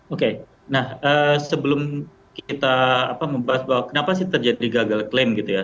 oke nah sebelum kita membahas bahwa kenapa sih terjadi gagal klaim gitu ya